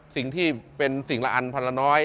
สิ่งที่เป็นสิ่งละอันพันละน้อย